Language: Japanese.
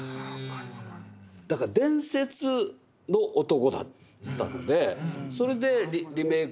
だから伝説の男だったのでそれでリメイクされていく。